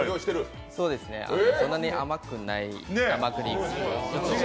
そんなに甘くない生クリーム。